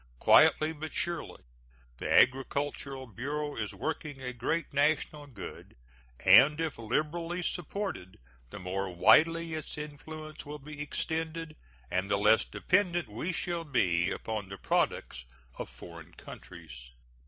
Quietly but surely the Agricultural Bureau is working a great national good, and if liberally supported the more widely its influence will be extended and the less dependent we shall be upon the products of foreign countries.